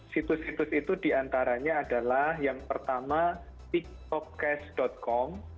situs situs itu diantaranya adalah yang pertama tiktok cash com